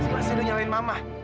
masih udah nyalain mama